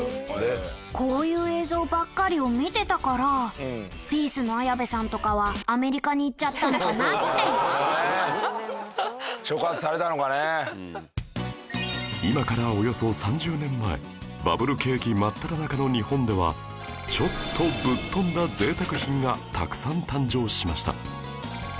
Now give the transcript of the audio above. こういう映像ばっかりを見てたからピースの綾部さんとかは今からおよそ３０年前バブル景気真っただ中の日本ではちょっとぶっ飛んだ贅沢品がたくさん誕生しました